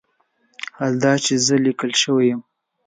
حال دا چې په "ز" لیکل شوی وای.